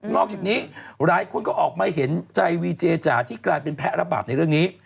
อกจากนี้หลายคนก็ออกมาเห็นใจวีเจจ๋าที่กลายเป็นแพ้ระบาปในเรื่องนี้